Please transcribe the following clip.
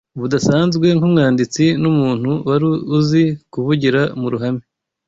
budasanzwe nk’umwanditsi n’umuntu wari uzi kuvugira mu ruhame.